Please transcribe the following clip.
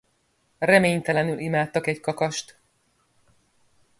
Reménytelenül imádtak egy kakast.